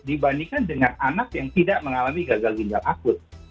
dibandingkan dengan anak yang tidak mengalami gagal ginjal akut